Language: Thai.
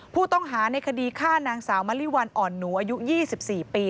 ผู้ต้องหาในคดีฆ่านางสาวมะลิวัลอ่อนหนูอายุ๒๔ปี